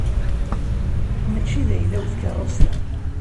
Mačči d ayla-w tkeṛṛust-a.